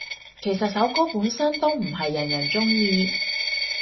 其實首歌本身都唔係人人鍾意